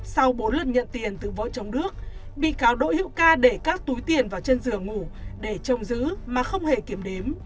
sau bốn lần nhận tiền từ võ chồng đức bị cáo đội hiệu ca để các túi tiền vào chân giường ngủ để trông giữ mà không hề kiểm đếm